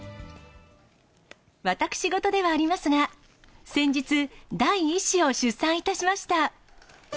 私事ではありますが、先日、第１子を出産いたしました。